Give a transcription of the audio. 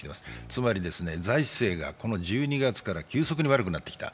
つまり財政が、この１２月から急速に悪くなってきた。